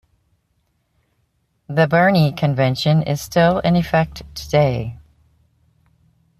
The Berne Convention is still in effect today.